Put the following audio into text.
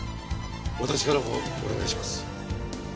私からもお願いします。